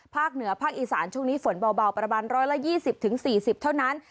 เหนือภาคอีสานช่วงนี้ฝนเบาประมาณ๑๒๐๔๐เท่านั้น